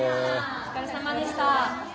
お疲れさまでした。